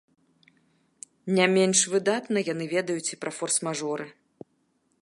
Не менш выдатна яны ведаюць і пра форс-мажоры.